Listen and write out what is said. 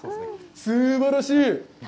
すばらしい！